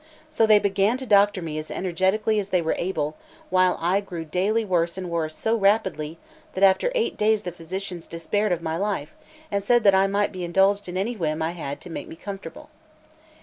So they began to doctor me as energetically as they were able, while I grew daily worse and worse so rapidly, that after eight days the physicians despaired of my life, and said that I might be indulged in any whim I had to make me comfortable.